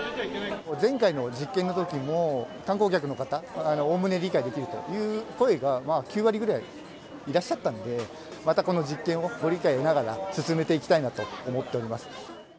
前回の実験のときも、観光客の方はおおむね理解できるという声が９割ぐらいいらっしゃったので、またこの実験をご理解を得ながら進めていきたいなと思っておりま